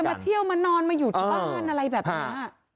มาเที่ยวมานอนมาอยู่ที่บ้านอะไรแบบนี้